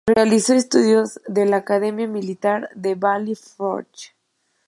Realizó estudios en la Academia Militar de Valley Forge.